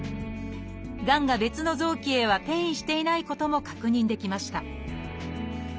がんが別の臓器へは転移していないことも確認できました